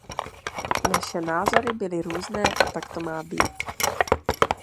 Naše názory byly různé a tak to má být.